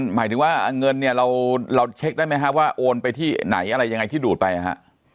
หมายถึงว่าเงินเนี่ยเราเช็คได้ไหมฮะว่าโอนไปที่ไหนอะไรยังไงที่ดูดไปฮะ